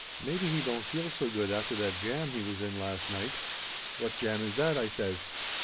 "Maybe he don't feel so good after that jam he was in last night." "What jam is that?" I says.